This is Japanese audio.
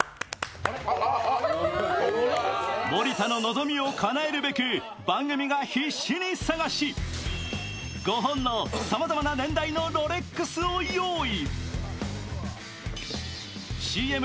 森田の望みをかなえるべく番組が必死に探し５本のさまざまな年代のロレックスを用意。